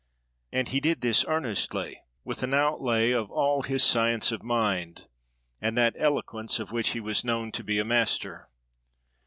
And he did this earnestly, with an outlay of all his science of mind, and that eloquence of which he was known to be a master.